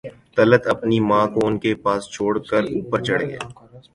طلعت اپنی ماں کو ان کے پاس چھوڑ کر اوپر چڑھ گئی